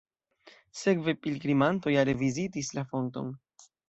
Sekve pilgrimantoj are vizitis la fonton.